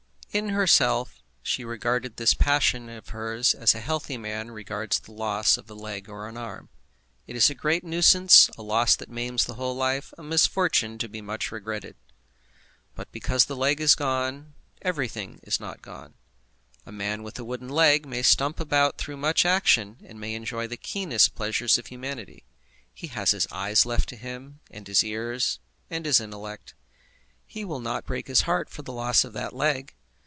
In herself she regarded this passion of hers as a healthy man regards the loss of a leg or an arm. It is a great nuisance, a loss that maims the whole life, a misfortune to be much regretted. But because a leg is gone, everything is not gone. A man with a wooden leg may stump about through much action, and may enjoy the keenest pleasures of humanity. He has his eyes left to him, and his ears, and his intellect. He will not break his heart for the loss of that leg.